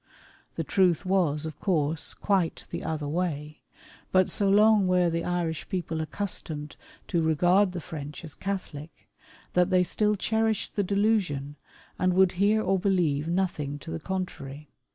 The truth was, of course, quite the other way ; but so long were the Irish people accustomed to regard the French as Catholic, that they still cherished the delusion, and would hear or believe nothing to the contrary.